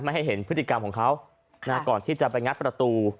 ให้เห็นพฤติกรรมของเขาก่อนที่จะไปงัดประตู